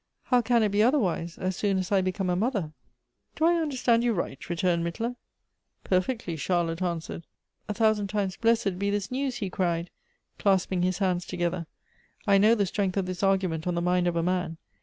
How can it be otherwise, as soon as I become a mother?" "Do I understand you right?" returned Mittler. "Perfectly," Charlotte answered. " A thousand times blessed be this news !" he cried, clasping his hands together. "I know the strength of this argument on the mind of a man.